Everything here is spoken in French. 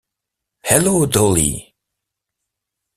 Hello, Dolly!